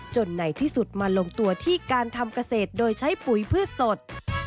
ในที่สุดมาลงตัวที่การทำเกษตรโดยใช้ปุ๋ยพืชสด